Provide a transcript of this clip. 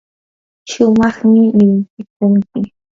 shumaqmi llimpikunki.